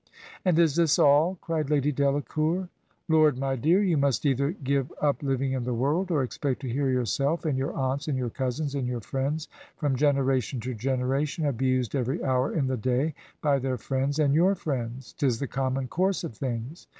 "'And is this all?' cried Lady Delacour. ' Lord, my dear, you must either give tip living in the world or expect to hear yourself, and your aunts, and your cousins, and your friends, from generation to generation, abused every hour in the day by their friends and your friends; 'tis the common course of things.